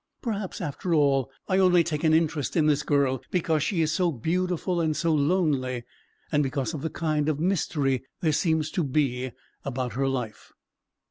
Perhaps, after all, I only take an interest in this girl because she is so beautiful and so lonely, and because of the kind of mystery there seems to be about her life."